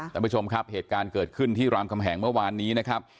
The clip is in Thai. ท่านผู้ชมครับเหตุการณ์เกิดขึ้นที่รามคำแหงเมื่อวานนี้นะครับ